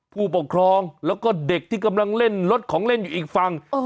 ผู้ปกครองแล้วก็เด็กที่กำลังเล่นรถของเล่นอยู่อีกฝั่ง